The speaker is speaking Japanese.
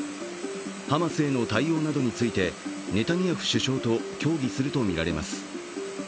ハマスへの対応などについてネタニヤフ首相と協議するとみられます。